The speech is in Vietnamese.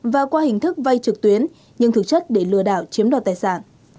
và qua hình thức vay trực tuyến nhưng thực chất để lừa đảo chiếm đoạt tài sản